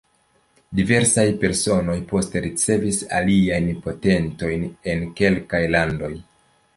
Diversaj personoj poste ricevis aliajn patentojn en kelkaj landoj.